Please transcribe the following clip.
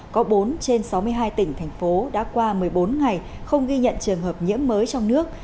có bốn trên sáu mươi hai tỉnh thành phố đã qua một mươi bốn ngày không ghi nhận trường hợp nhiễm mới trong nước